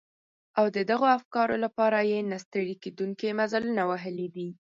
او د دغو افکارو لپاره يې نه ستړي کېدونکي مزلونه وهلي دي.